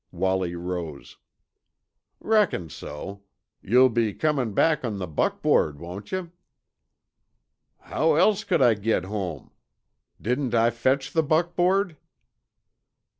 Wallie rose. "Reckon so. You'll be comin' back on the buckboard, won't yuh?" "How else could I git home? Didn't I fetch the buckboard?"